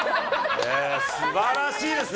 素晴らしいですね。